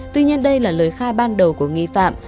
tuy nhiên đây là lời khai ban đầu của nghi phạm